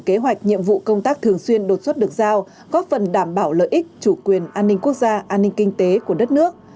kế hoạch nhiệm vụ công tác thường xuyên đột xuất được giao góp phần đảm bảo lợi ích chủ quyền an ninh quốc gia an ninh kinh tế của đất nước